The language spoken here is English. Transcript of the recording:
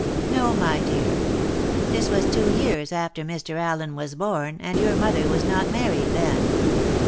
"No, my dear. This was two years after Mr. Allen was born, and your mother was not married then.